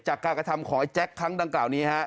จากการกระทำของไอ้แจ๊คครั้งดังกล่าวนี้ฮะ